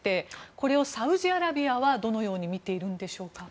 これをサウジアラビアはどのように見ているんでしょうか。